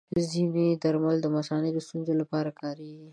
ځینې درمل د مثانې د ستونزو لپاره کارېږي.